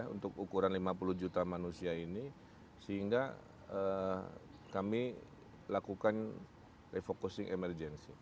untuk ukuran lima puluh juta manusia ini sehingga kami lakukan refocusing emergency